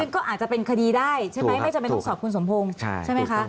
ก็อาจจะเป็นคดีได้ใช่ไหมไม่จำเป็นต้องสอบคุณสมพงศ์ใช่ไหมคะ